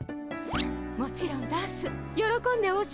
もちろんダンスよろこんでお教えいたしますわ。